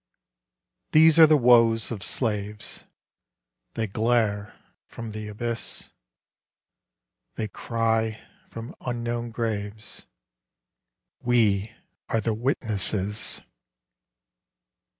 These are the woes of Slaves; They glare from the abyss; They cry, from unknown graves, "We are the Witnesses!"